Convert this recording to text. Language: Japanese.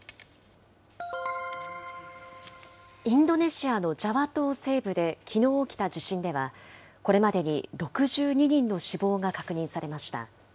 インドネシアのジャワ島西部できのう起きた地震では、これまでに６２人の死亡が確認されました。